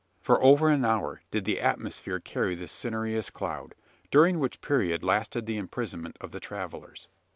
For over an hour did the atmosphere carry this cinereous cloud; during which period lasted the imprisonment of the travellers.